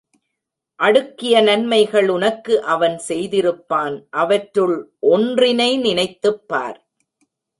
அடுக்கிய நன்மைகள் உனக்கு அவன் செய்திருப்பான் அவற்றுள் ஒன்றினை நினைத்துப்பார்.